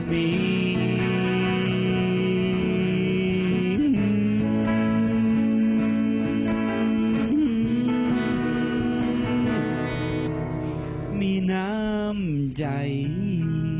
มีน้ำใจ